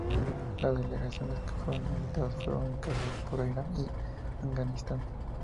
Las delegaciones que fueron invitadas fueron encabezadas por Irán y Afganistán.